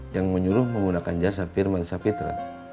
yang menyuruh menggunakan jasa firman sapitra